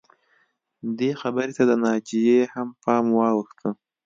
دې خبرې ته د ناجیې هم پام واوښته